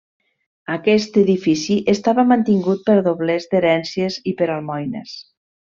Aquest edifici estava mantingut per doblers d'herències i per almoines.